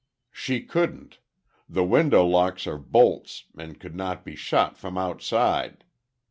"She couldn't. The window locks are bolts, and could not be shot from outside.